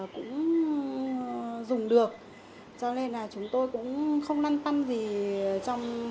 cũng dùng được cho nên là chúng tôi cũng không năng tăng gì